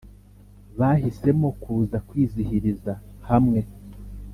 bahisemo kuza kwizihiriza hamwe